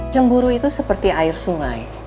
yang buru itu seperti air sungai